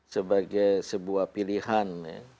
sebagai sebuah pilihan